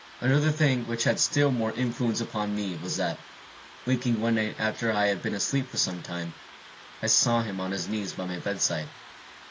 Another thing which had still more influence upon me was, that, waking one night after I had been asleep for some time, I saw him on his knees by my bedside.